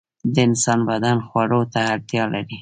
د انسان بدن خوړو ته اړتیا لري.